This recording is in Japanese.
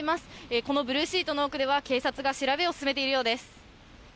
このブルーシートの奥では警察が調べを進めているようです。